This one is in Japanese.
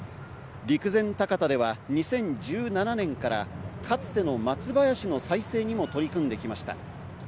陸前高田では２０１７年からかつての松林の再生にも取り組んできました。